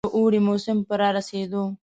د اوړي موسم په رارسېدو.